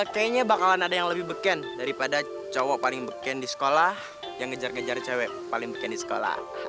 kayaknya bakalan ada yang lebih beken daripada cowok paling beken di sekolah yang ngejar ngejar cewek paling bikin di sekolah